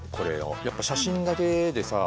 やっぱ写真だけでさ。